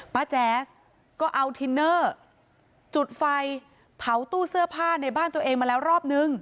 แจ๊สก็เอาทินเนอร์จุดไฟเผาตู้เสื้อผ้าในบ้านตัวเองมาแล้วรอบนึง